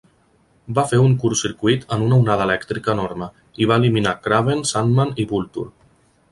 Va fer un "curtcircuit" en una onada elèctrica enorme, i va eliminar Kraven, Sandman i Vulture.